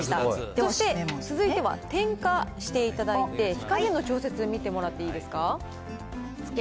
そして続いては点火していただいて、火加減の調節、見てもらっていいですか。